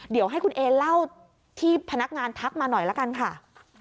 เดี๋ยวให้คุณเอเล่าที่พนักงานทักมาหน่อยละกันค่ะ